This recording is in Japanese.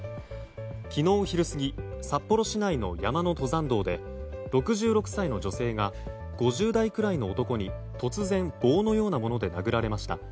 昨日昼過ぎ札幌市内の山の登山道で６６歳の女性が５０代くらいの男に突然棒のようなもので殴られました。